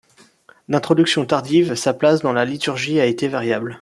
D'introduction tardive, sa place dans la liturgie a été variable.